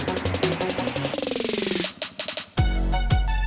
hari ini sinta gak ada kamu gimana